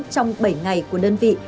trong bảy ngày của đơn vị